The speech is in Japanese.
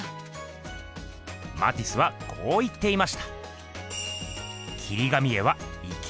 マティスはこう言っていました。